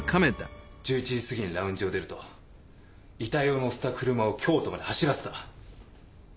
１１時過ぎにラウンジを出ると遺体をのせた車を京都まで走らせた。